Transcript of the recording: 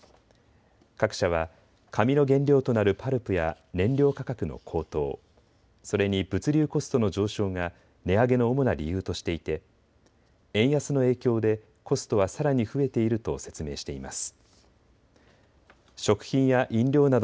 各社は紙の原料となるパルプや燃料価格の高騰、それに物流コストの上昇が値上げの主な理由としていて円安の影響でコストはさらに増えていると説明しています。